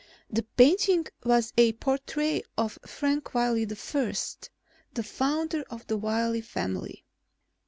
The painting was a portrait of Frank Wiley I, the founder of the Wiley family.